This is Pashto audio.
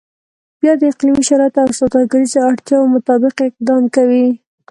بیا د اقلیمي شرایطو او سوداګریزو اړتیاو مطابق اقدام کوي.